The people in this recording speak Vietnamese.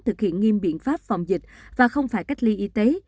thực hiện nghiêm biện pháp phòng dịch và không phải cách ly y tế